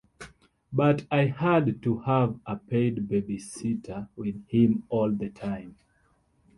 But I had to have a paid babysitter with him all the time.